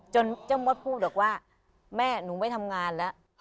เจ้ามดพูดบอกว่าแม่หนูไม่ทำงานแล้ว